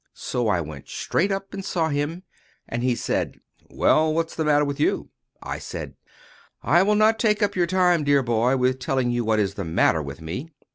So I went straight up and saw him, and he said: "Well, what's the matter with you?" I said: "I will not take up your time, dear boy, with telling you what is the matter with me.